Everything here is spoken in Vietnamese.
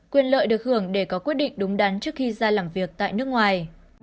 quyền lợi được hưởng để có quyết định đúng đắn trước khi ra làm việc tại nước ngoài